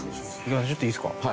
ちょっといいですか？